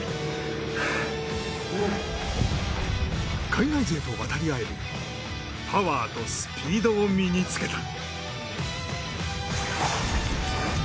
海外勢と渡り合えるパワーとスピードを身に着けた。